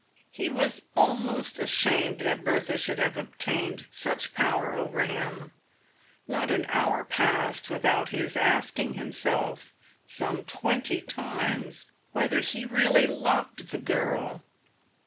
He was almost ashamed that Bertha should have obtained such power over him. Not an hour passed without his asking himself, some twenty times, whether he really loved the girl.